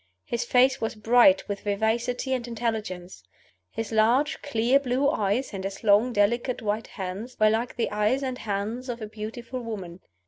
His face was bright with vivacity and intelligence. His large clear blue eyes and his long delicate white hands were like the eyes and hands of a beautiful woman.